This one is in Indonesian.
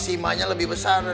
si maunya lebih besar dari maung